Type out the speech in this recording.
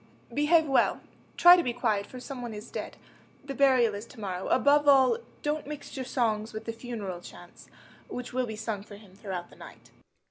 Behave well, Try to be quiet, for some one is dead. The burial is to morrow. Above all, Don't mix your songs with the funereal chants Which will be sung for him throughout the night.